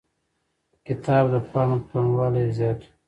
کتاب د پاڼو پلنوالی يې زيات و.